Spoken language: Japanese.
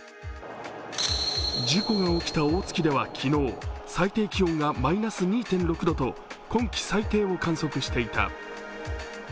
事故が起きた大月では昨日、最低気温がマイナス２．６度と今季最低を観測していた。